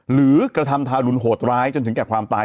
กระทำทารุณโหดร้ายจนถึงแก่ความตาย